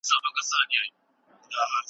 اسلام د افراط او تفریط مخنیوی کوي.